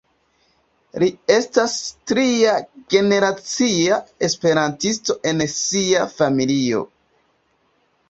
Li estas tria-generacia esperantisto en sia familio.